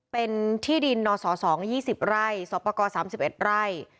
เป็นที่ดินนอส๒๐ไร่สป๓๑ไร่